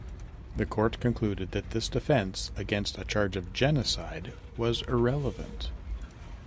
The court concluded that this defense against a charge of genocide was irrelevant.